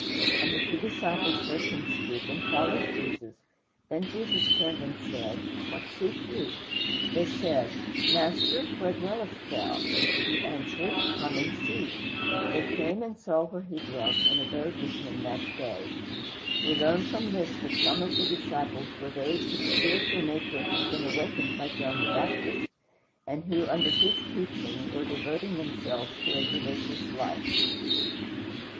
And the two disciples heard him speak and followed Jesus. Then Jesus turned and said, "What seek ye?" They said, "Master, where dwellest thou?" He answered, "Come and see." They came and saw where he dwelt, and abode with him that day. We learn from this that some of the disciples were those whose spiritual nature had been awakened by John the Baptist, and who, under his teaching, were devoting themselves to a religious life.